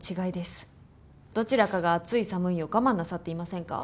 どちらかが暑い寒いを我慢なさっていませんか？